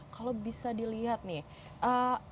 kalau bisa dilihat nih